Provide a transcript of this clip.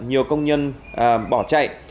nhiều công nhân bỏ chạy